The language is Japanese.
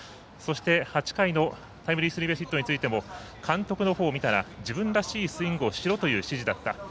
そして、８回のタイムリースリーベースヒットについても監督のほうを見たら自分らしいスイングをしろという指示だった。